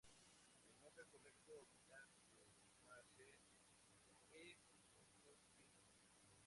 El nombre correcto quizás deba ser "E.finckii".